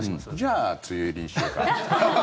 じゃあ梅雨入りにしようか。